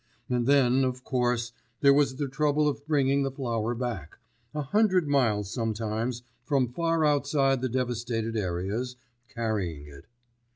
And then, of course, there was the trouble of bringing the flour back—a hundred miles sometimes, from far outside the devastated areas—carrying it.